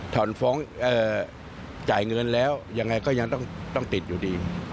จ่ายเงินแล้วยังไงก็ยังต้องติดอยู่ดี